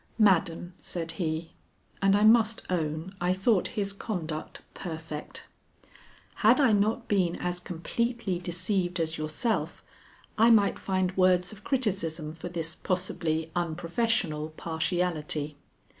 "Madam," said he, and I must own I thought his conduct perfect, "had I not been as completely deceived as yourself I might find words of criticism for this possibly unprofessional partiality.